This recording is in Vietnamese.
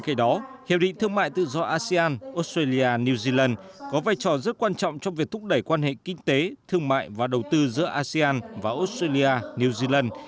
khi đó hiệp định thương mại tự do asean australia new zealand có vai trò rất quan trọng trong việc thúc đẩy quan hệ kinh tế thương mại và đầu tư giữa asean và australia new zealand